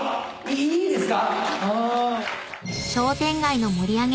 いいですか